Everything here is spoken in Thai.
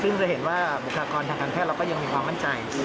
ซึ่งจะเห็นว่าบุคลากรทางการแพทย์เราก็ยังมีความมั่นใจ